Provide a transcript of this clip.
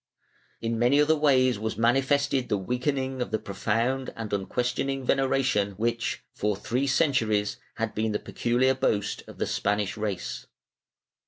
In many other ways was manifested the weakening of the profound and unquestioning veneration which, for three centuries, had been the peculiar boast of the Spanish race.